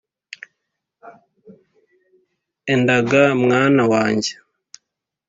‘enda ga mwana wanjye,